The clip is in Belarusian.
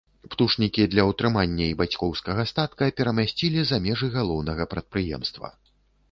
Птушнікі для ўтрымання і бацькоўскага статка перамясцілі за межы галаўнога прадпрыемства.